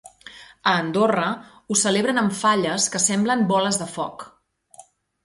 A Andorra, ho celebren amb falles que semblen boles de foc.